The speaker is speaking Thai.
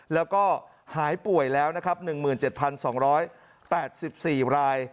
แล้วก็หายป่วยแล้วนะครับ๑๗๒๘๔ราย